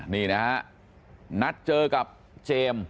นี่นะฮะนัดเจอกับเจมส์